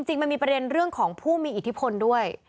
จริงมันมีประเด็นเรื่องของผู้มีอิทธิพลด้วย